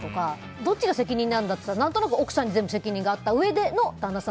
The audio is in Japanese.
どっちの責任なんだって何となく奥さんに責任があったうえでの旦那さん